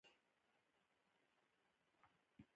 ازادي راډیو د مالي پالیسي په اړه څېړنیزې لیکنې چاپ کړي.